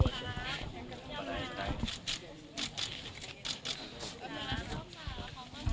หนูขอไม่เดี๋ยวหนู